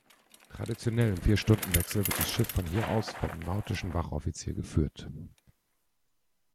Traditionell im Vier-Stunden-Wechsel wird das Schiff von hier aus vom nautischen Wachoffizier geführt.